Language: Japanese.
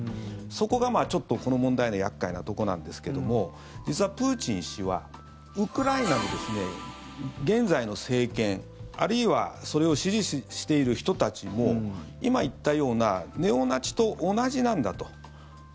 そこがちょっとこの問題の厄介なとこなんですけども実はプーチン氏はウクライナの現在の政権あるいはそれを支持している人たちも今言ったようなネオナチと同じなんだと。